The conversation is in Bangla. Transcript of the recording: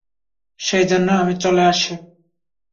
সেজন্যই আমি চলে আসি।